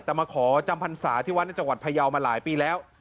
แต่มาขอจำพรรษาที่วัดในจังหวัดพยาวมาหลายปีแล้ว